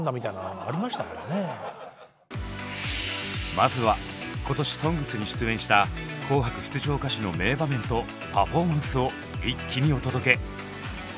まずは今年「ＳＯＮＧＳ」に出演した紅白出場歌手の名場面とパフォーマンスを一気にお届け。